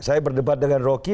saya berdebat dengan rocky